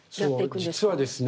実はですね